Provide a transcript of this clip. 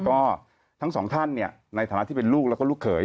ก็ทั้งสองท่านเนี่ยในฐานะที่เป็นลูกแล้วก็ลูกเขย